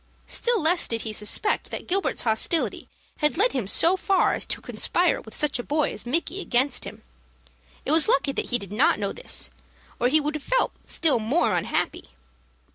Still less did he suspect that Gilbert's hostility had led him so far as to conspire with such a boy as Micky against him. It was lucky that he did not know this, or he would have felt still more unhappy.